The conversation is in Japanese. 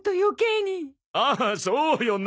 あっそうよね！